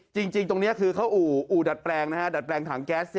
จริงตรงนี้คือเขาอู่ดัดแปลงนะฮะดัดแปลงถังแก๊ส